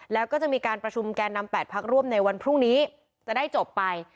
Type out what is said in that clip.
แล้วก็จะมีการประชุมแก่นำ๘พักร่วมในวันพรุ่งนี้จะได้จบไป